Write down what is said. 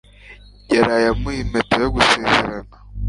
Yaraye amuha impeta yo gusezerana.